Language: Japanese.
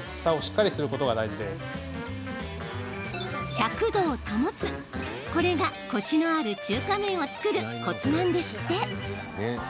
１００度を保つこれがコシのある中華麺を作るコツなんですって。